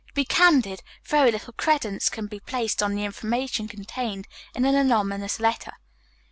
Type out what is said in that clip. To be candid, very little credence can be placed on the information contained in an anonymous letter.